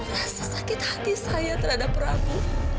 rasa sakit hati saya terhadap rabu